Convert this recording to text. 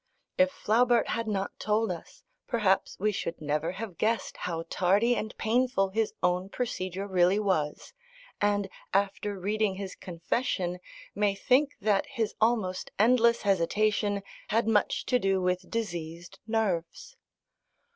If Flaubert had not told us, perhaps we should never have guessed how tardy and painful his own procedure really was, and after reading his confession may think that his almost endless hesitation had much to do with diseased nerves.